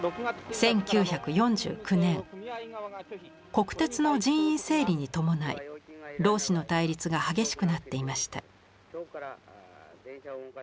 国鉄の人員整理に伴い労使の対立が激しくなっていました。